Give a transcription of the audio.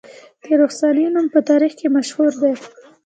د رخسانې نوم په تاریخ کې مشهور دی